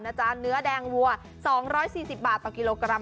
จ๊ะเนื้อแดงวัว๒๔๐บาทต่อกิโลกรัม